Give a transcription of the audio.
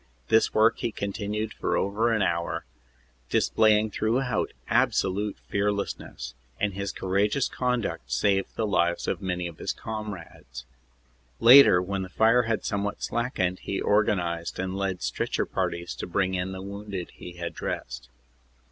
This work he continued for over an hour, displaying throughout absolute fearlessness, and his courageous conduct saved the lives of many of his comrades. Later, when the fire had somewhat slackened, he organized and led stretcher parties to bring in the wounded he had dressed.